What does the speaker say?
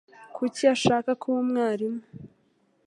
Kuki ashaka kuba umwarimu?